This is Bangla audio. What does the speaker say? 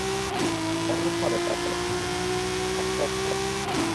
অনুরূপভাবে তাদের সবকিছুর প্রথমটি তাদের প্রাপ্য বলে মনে করত।